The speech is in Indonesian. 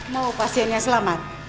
mau pasiennya selamat